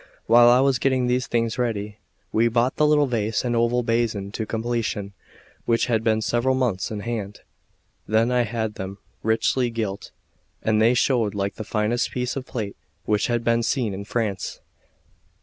While I was getting these things ready, we brought the little vase and oval basin to completion, which had been several months in hand. Then I had them richly gilt, and they showed like the finest piece of plate which had been seen in France.